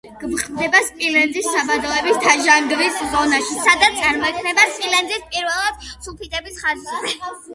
გვხვდება სპილენძის საბადოების დაჟანგვის ზონაში, სადაც წარმოიქმნება სპილენძის პირველადი სულფიდების ხარჯზე.